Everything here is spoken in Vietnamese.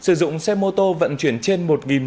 sử dụng xe mô tô vận chuyển trên